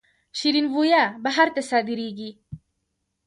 شیرین بویه بهر ته صادریږي